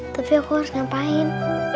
tapi aku harus ngapain